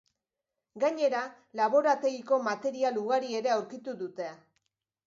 Gainera, laborategiko material ugari ere aurkitu dute.